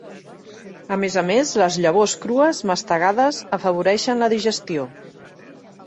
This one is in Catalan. A més a més, les llavors crues, mastegades, afavoreixen la digestió.